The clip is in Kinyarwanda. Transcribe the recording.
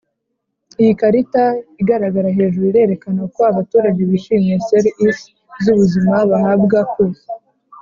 Iyi karita igaragara hejuru irerekana uko abaturage bishimiye ser isi z ubuzima bahabwa ku